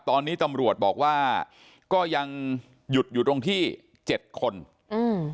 ตอนนี้ตำรวจบอกว่าก็ยังหยุดอยู่ตรงที่เจ็ดคนอืม